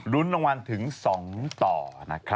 รุ้นรางวัลถึง๒ต่อนะครับ